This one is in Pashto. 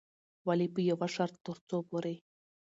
ولې په يوه شرط، ترڅو پورې